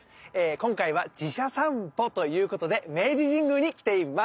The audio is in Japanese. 今回は寺社さんぽということで明治神宮に来ています。